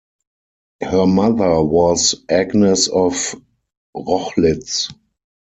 Her mother was Agnes of Rochlitz.